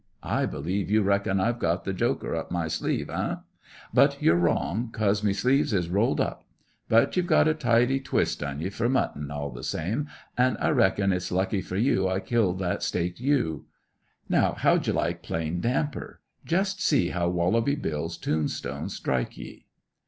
I believe you reckon I've got the joker up my sleeve, hey? But you're wrong, 'cos me sleeves is rolled up. But you've got a tidy twist on ye for mutton, all the same, an' I reckon it's lucky for you I killed that staked ewe. Now, how d'ye like plain damper? Just see how Wallaby Bill's tombstones strike ye!"